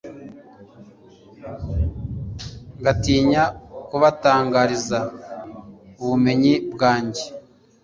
ngatinya kubatangariza ubumenyi bwanjye